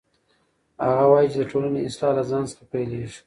هغه وایي چې د ټولنې اصلاح له ځان څخه پیلیږي.